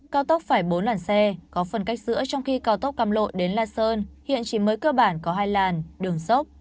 cao tốc phải bốn làn xe có phần cách giữa trong khi cao tốc cam lộ đến la sơn hiện chỉ mới cơ bản có hai làn đường sốc